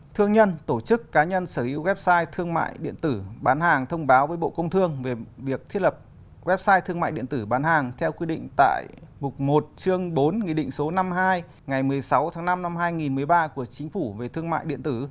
thương nhân tổ chức cá nhân sở hữu website thương mại điện tử bán hàng thông báo với bộ công thương về việc thiết lập website thương mại điện tử bán hàng theo quy định tại mục một chương bốn nghị định số năm mươi hai ngày một mươi sáu tháng năm năm hai nghìn một mươi ba của chính phủ về thương mại điện tử